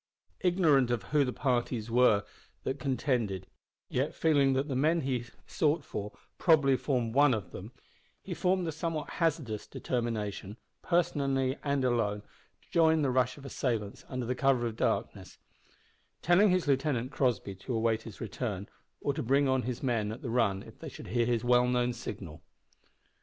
Ignorant of who the parties were that contended, yet feeling pretty sure that the men he sought for probably formed one of them, he formed the somewhat hazardous determination, personally and alone, to join the rush of the assailants, under cover of the darkness; telling his lieutenant, Crossby, to await his return, or to bring on his men at the run if they should hear his well known signal.